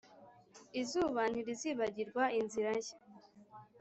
izuba ntirizibagirwa inzira ye,